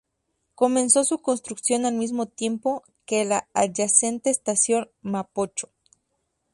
Comenzó su construcción al mismo tiempo que la adyacente Estación Mapocho.